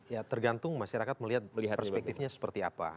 ya tergantung masyarakat melihat perspektifnya seperti apa